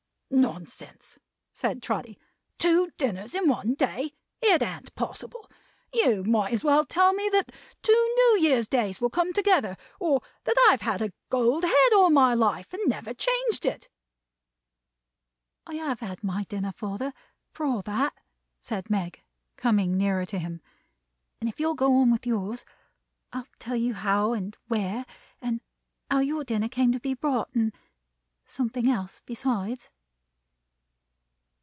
"Nonsense," said Trotty. "Two dinners in one day! It an't possible! You might as well tell me that two New Year's Days will come together, or that I have had a gold head all my life, and never changed it." "I have had my dinner, father, for all that," said Meg, coming nearer to him. "And if you'll go on with yours, I'll tell you how and where; and how your dinner came to be brought; and something else besides."